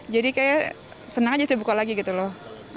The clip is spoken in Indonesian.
jadi kayak senang aja dibuka lagi gitu loh